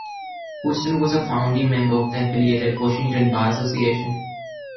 Houston was a founding member of the affiliated Washington Bar Association.